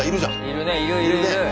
いるねいるいるいる。